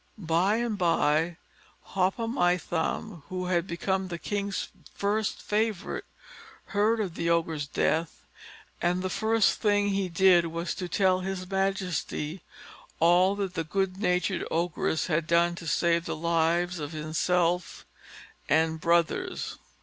By and by, Hop o' my thumb, who had become the king's first favourite, heard of the Ogre's death; and the first thing he did was to tell his majesty all that the good natured Ogress had done to save the lives of himself and brothers.